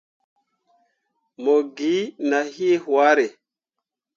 Mo gi nah hii hwaare.